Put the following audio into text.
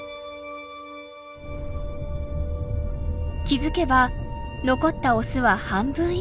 気付けば残ったオスは半分以下。